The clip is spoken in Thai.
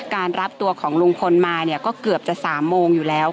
การรับตัวของลุงพลมาเนี่ยก็เกือบจะ๓โมงอยู่แล้ว